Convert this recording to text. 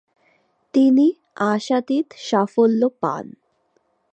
তিনি আশাতীত সাফল্য পান।